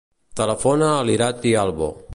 Telefona a l'Irati Albo.